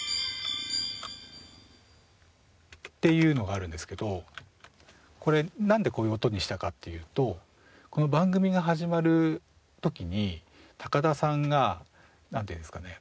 「」っていうのがあるんですけどこれなんでこういう音にしたかっていうとこの番組が始まる時に高田さんがなんていうんですかね